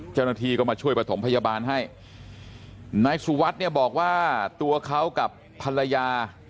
เจ้าหน้าที่ก็มาช่วยประถมพยาบาลให้นายสุวัสดิ์เนี่ยบอกว่าตัวเขากับภรรยา